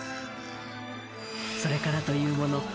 ［それからというもの